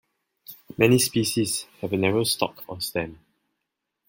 Many species have a narrow stalk or stem.